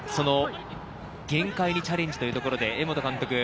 限界にチャレンジというところで江本監督。